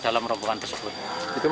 dalam rombongan tersebut